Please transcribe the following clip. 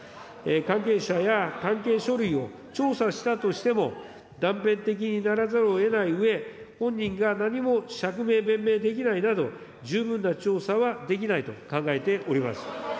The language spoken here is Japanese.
関係者や関係書類を調査したとしても、断片的にならざるをえないうえ、本人が何も釈明、弁明できないなど、十分な調査はできないと考えております。